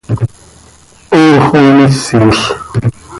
¡Hoox oo misil!